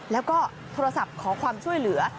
แล้วก็โทรศัพท์ขอความช่วยเหลือ